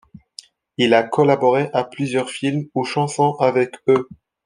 Il a collaboré à plusieurs films ou chansons avec eux.